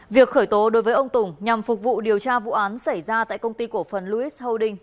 việc khởi tố đối với ông tùng nhằm phục vụ điều tra vụ án xảy ra tại công ty cổ phần luis holding